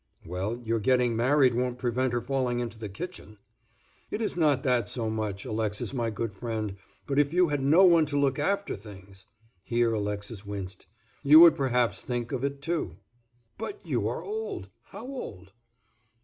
"Well, your getting married won't prevent her falling into the kitchen." "It is not that so much, Alexis, my good friend, but if you had no one to look after things—" here Alexis winced—"you would perhaps think of it too." "But you are old—how old?"